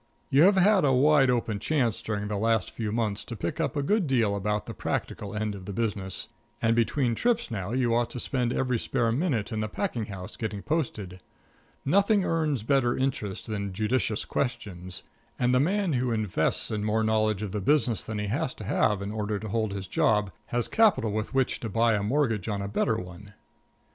You have had a wide open chance during the last few months to pick up a good deal about the practical end of the business, and between trips now you ought to spend every spare minute in the packing house getting posted. Nothing earns better interest than judicious questions, and the man who invests in more knowledge of the business than he has to have in order to hold his job has capital with which to buy a mortgage on a better one.